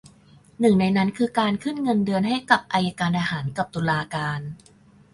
หนึ่งในนั้นคือการขึ้นเงินเดือนให้กับอัยการทหารกับตุลาการ